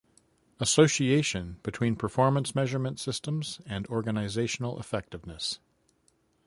Association between Performance Measurement Systems and Organisational Effectiveness.